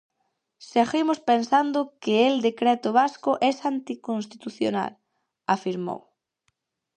"Seguimos pensando que el decreto vasco es anticonstitucional", afirmou.